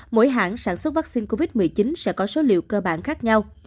mỗi hãng sản xuất vaccine covid một mươi chín sẽ có số liệu cơ bản khác nhau